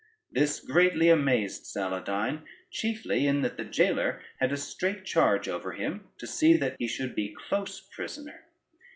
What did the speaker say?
This greatly amazed Saladyne, chiefly in that the jailer had a straight charge over him, to see that he should be close prisoner.